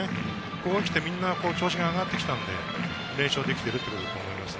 ここにきてみんな調子が上がってきたので連勝できるかなと思いますね。